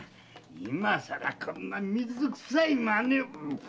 今さらこんな水くさい真似を。